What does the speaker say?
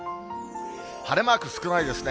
晴れマーク少ないですね。